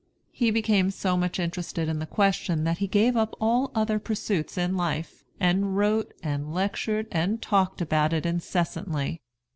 He became so much interested in the question that he gave up all other pursuits in life, and wrote, and lectured, and talked about it incessantly.